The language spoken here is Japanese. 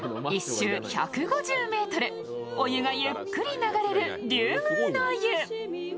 １周１５０ｍ、お湯がゆっくり流れる龍宮の湯。